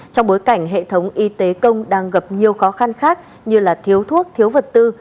trong bối cảnh hệ thống y tế công đang gặp nhiều khó khăn khác như thiếu thuốc thiếu vật tư